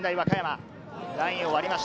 ラインを割りました。